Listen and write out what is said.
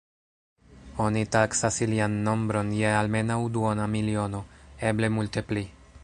Oni taksas ilian nombron je almenaŭ duona miliono, eble multe pli.